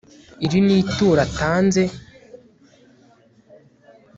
iri ni ituro atanze